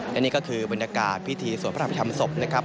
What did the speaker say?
และนี่ก็คือบรรยากาศพิธีสวดพระอภิษฐรรมศพนะครับ